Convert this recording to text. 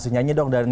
sekarang di sini